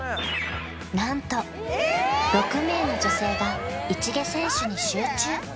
何と６名の女性が市毛選手に集中！